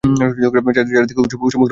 চারিদিকে উৎসব মুখর অবস্থা বিরাজ করে।